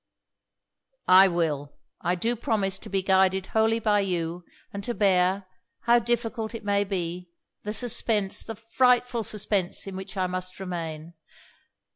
'I will, I do promise to be guided wholly by you; and to bear, however difficult it may be, the suspense, the frightful suspense in which I must remain.